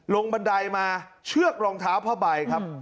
บันไดมาเชือกรองเท้าผ้าใบครับ